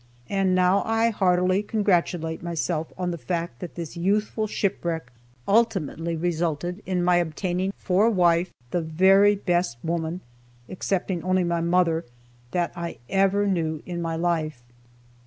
And I now heartily congratulate myself on the fact that this youthful shipwreck ultimately resulted in my obtaining for a wife the very best woman (excepting only my mother) that I ever knew in my life.